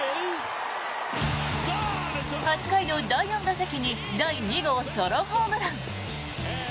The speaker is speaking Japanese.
８回の第４打席に第２号ソロホームラン。